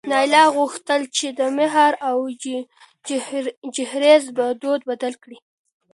نایله غوښتل چې د مهر او جهیز دود بدل کړي.